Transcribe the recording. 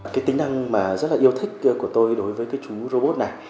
cái tính năng mà rất là yêu thích của tôi đối với cái chú robot này